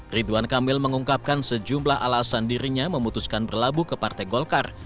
ridwan kamil mengungkapkan sejumlah alasan dirinya memutuskan berlabuh ke partai golkar